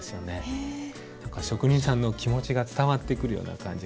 職人さんの気持ちが伝わってくるような感じがします。